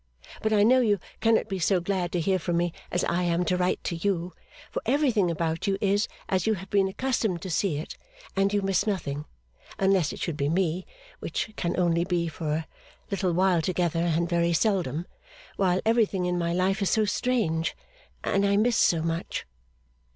But I know you cannot be so glad to hear from me as I am to write to you; for everything about you is as you have been accustomed to see it, and you miss nothing unless it should be me, which can only be for a very little while together and very seldom while everything in my life is so strange, and I miss so much.